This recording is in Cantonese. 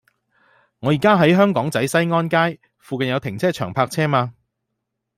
我依家喺香港仔西安街，附近有停車場泊車嗎